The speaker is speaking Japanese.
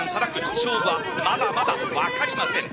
勝負はまだまだ分かりません。